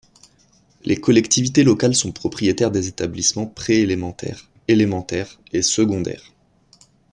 Les collectivités locales sont propriétaires des établissements pré-élémentaires, élémentaires et secondaires.